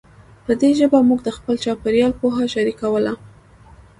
په دې ژبه موږ د خپل چاپېریال پوهه شریکوله.